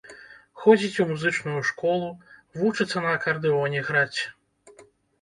Ходзіць у музычную школу, вучыцца на акардэоне граць.